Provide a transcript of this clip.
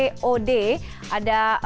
otonomi daerah atau kppud